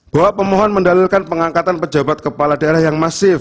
bahwa pemohon mendalilkan pengangkatan pejabat kepala daerah yang masif